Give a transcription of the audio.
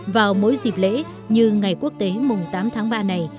vào mỗi dịp lễ như ngày quốc tế mùng tám tháng ba này